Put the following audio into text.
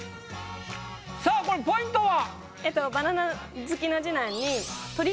さあこれポイントは？